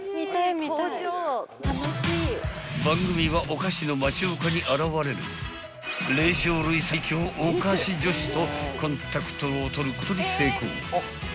［番組はおかしのまちおかに現れる霊長類最強おかし女子とコンタクトを取ることに成功］